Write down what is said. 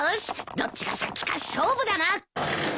どっちが先か勝負だな！